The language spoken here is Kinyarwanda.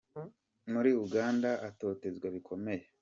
muri Uganda atotezwa bikomeye.